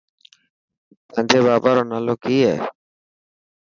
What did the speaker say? تانجي بابا رو نالو ڪي هي.